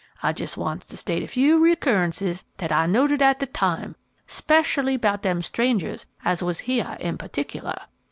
I jes' wants to state a few recurrences dat I noted at de time, speshally 'bout dem strangers as was heah in pertickeler.